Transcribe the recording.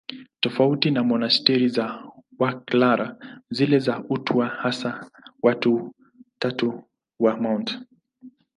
Tofauti na monasteri za Waklara, zile za Utawa Hasa wa Tatu wa Mt.